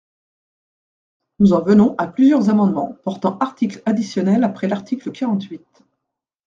Nous en venons à plusieurs amendements portant articles additionnels après l’article quarante-huit.